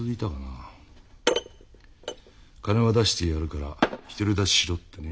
「金は出してやるから独り立ちしろ」ってね。